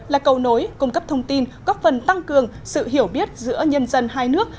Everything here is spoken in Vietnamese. là cầu nối cung cấp thông tin góp phần tăng cường sự hiểu biết giữa nhân dân hai nước